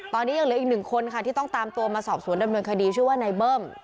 ตอนนี้ยังเหลืออีกหนึ่งคนค่ะที่ต้องตามตัวมาสอบสวนดำเนินคดีชื่อว่านายเบิ้ม